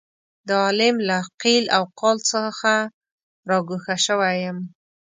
د عالم له قیل او قال څخه را ګوښه شوی یم.